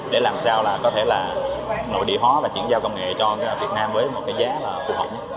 để làm sao có thể nội địa hóa và chuyển giao công nghệ cho việt nam với giá phù hợp nhất